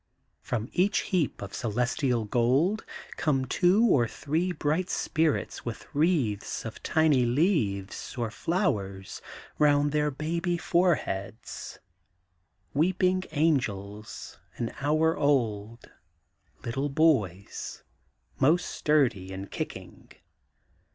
From each heap of celestial gold come two or three bright spirits with wreaths of tiny leaves or flowers round their baby foreheads, weeping angels, an hour old, little boys, most sturdy and kicking.